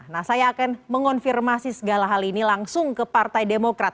nah saya akan mengonfirmasi segala hal ini langsung ke partai demokrat